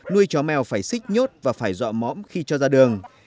nuôi chó mèo phải xích nhốt và phải dọa mõm khi cho ra đường